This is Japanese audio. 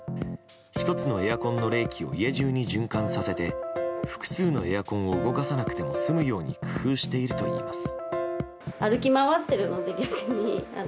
１つのエアコンの冷気を家中に循環させて複数のエアコンを動かさなくても済むように工夫しているといいます。